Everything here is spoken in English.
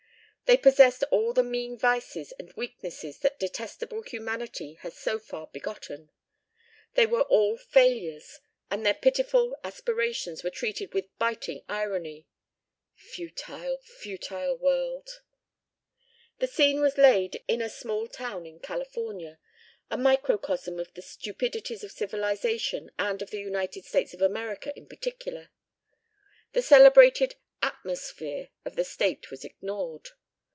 They possessed all the mean vices and weaknesses that detestable humanity has so far begotten. They were all failures and their pitiful aspirations were treated with biting irony. Futile, futile world! The scene was laid in a small town in California, a microcosm of the stupidities of civilization and of the United States of America in particular. The celebrated "atmosphere" of the state was ignored.